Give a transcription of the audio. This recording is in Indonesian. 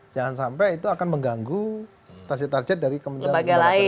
jangan sampai itu akan mengganggu target target dari kementerian lembaga